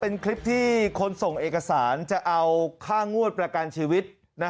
เป็นคลิปที่คนส่งเอกสารจะเอาค่างวดประกันชีวิต